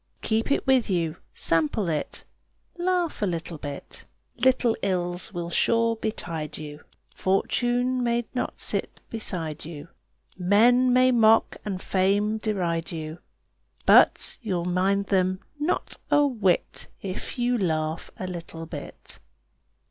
Keep it with you, sample it, Laugh a little bit. Little ills will sure betide you, Fortune may not sit beside you, Men may mock and fame deride you, But you'll mind them not a whit If you laugh a little bit.